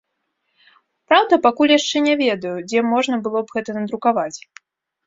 Праўда, пакуль яшчэ не ведаю, дзе можна было б гэта надрукаваць.